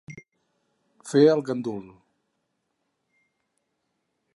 Fer el gandul.